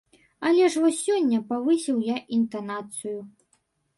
Але ж вось сёння павысіў я інтанацыю.